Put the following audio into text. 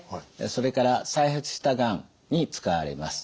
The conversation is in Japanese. それから再発したがんに使われます。